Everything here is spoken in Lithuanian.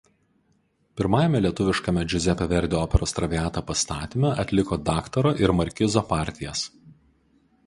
Pirmajame lietuviškame Giuseppe Verdi operos „Traviata“ pastatyme atliko Daktaro ir Markizo partijas.